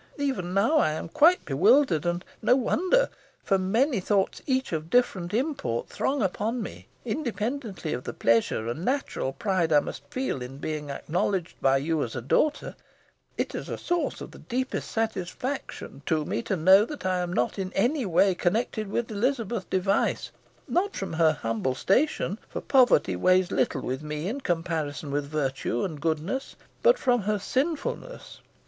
Even now I am quite bewildered; and no wonder, for many thoughts, each of different import, throng upon me. Independently of the pleasure and natural pride I must feel in being acknowledged by you as a daughter, it is a source of the deepest satisfaction to me to know that I am not, in any way, connected with Elizabeth Device not from her humble station for poverty weighs little with me in comparison with virtue and goodness but from her sinfulness.